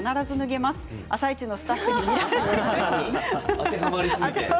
当てはまりすぎて。